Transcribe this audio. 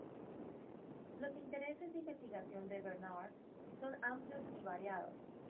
Los intereses de investigación de Bernard son amplios y variados.